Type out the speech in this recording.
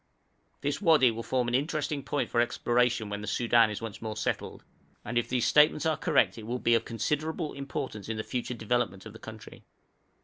This wadi will form an interesting point for exploration when the Soudan is once more settled, and if these statements are correct it will be of considerable importance in the future development of the country.